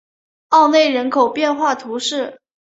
沃内人口变化图示